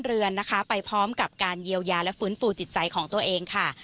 เรือนนะคะไปพร้อมกับการเยียวยาและฟื้นฟูจิตใจของตัวเองค่ะ